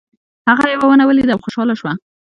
هغه یوه ونه ولیده او خوشحاله شو.